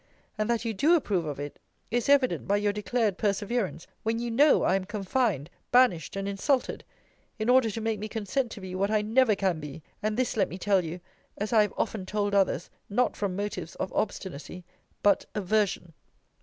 And that you do approve of it, is evident by your declared perseverance, when you know I am confined, banished, and insulted, in order to make me consent to be what I never can be: and this, let me tell you, as I have often told others, not from motives of obstinacy, but aversion.